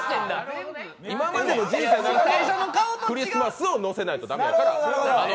今までの人生のクリスマスをのせないと駄目やから。